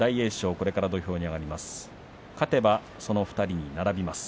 これから土俵に上がります。